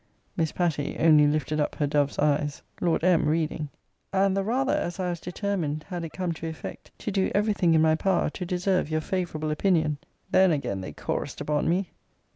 Miss Patty only lifted up her dove's eyes. Lord M. [Reading.] 'And the rather, as I was determined, had it come to effect, to do every thing in my power to deserve your favourable opinion.' Then again they chorus'd upon me!